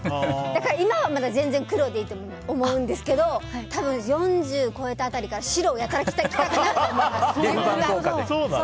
だから、今はまだ全然黒でいいと思うんですけど多分、４０超えた辺りから白をやたら着たくなると思います。